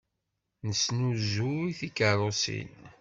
Nesnuzuy tikeṛṛusin.